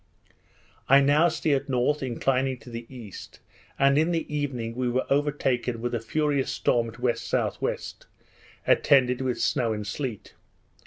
I now steered north, inclining to the east, and in the evening we were overtaken with a furious storm at W.S.W., attended with snow and sleet.